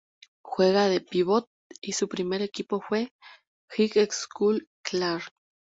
Juega de pívot y su primer equipo fue "High School Clark".